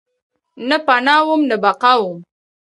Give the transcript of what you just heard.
نه پناه وم ، نه بقاوم